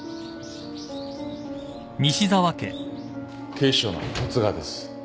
警視庁の十津川です。